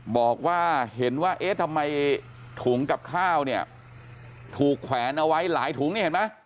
บอกว่าเห็นว่าเอ๊ะทำไมถุงกับข้าวเนี่ยถูกแขวนเอาไว้หลายถุงนี่เห็นไหม